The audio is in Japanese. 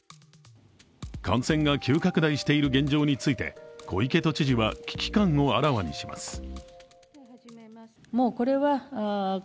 感染が急拡大している現状について、小池都知事は危機感をあらわにします。